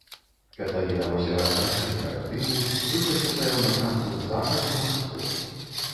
Катлавіна возера лагчыннага тыпу, выцягнутая ў напрамку з захаду на ўсход.